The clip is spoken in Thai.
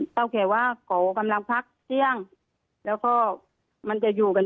เท่าแก่ว่าเขากำลังพักเที่ยงแล้วก็มันจะอยู่กัน